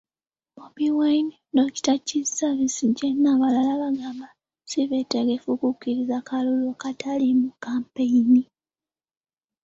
Bobi Wine, Dokita Kizza Besigye, n'abalala bagamba ssi beetegefu kukkiriza kalulu akataliimu kampeyini.